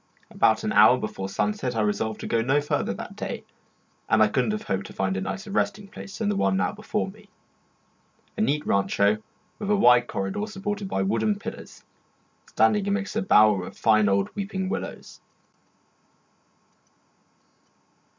About an hour before sunset I resolved to go no farther that day; and I could not have hoped to find a nicer resting place than the one now before me a neat rancho with a wide corridor supported by wooden pillars, standing amidst a bower of fine old weeping willows.